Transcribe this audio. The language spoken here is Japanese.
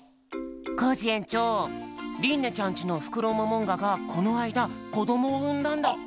コージえんちょうりんねちゃんちのフクロモモンガがこのあいだこどもをうんだんだって。